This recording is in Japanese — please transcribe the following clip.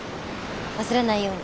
忘れないように。